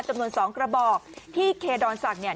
จำนวนสองกระบอกที่เคดอนศักดิ์เนี่ย